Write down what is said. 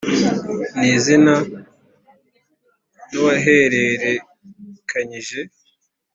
n izina n uwahererekanyije